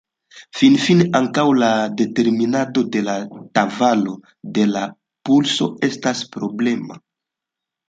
Finfine ankaŭ la determinado de la tavolo de la pulso estas problema.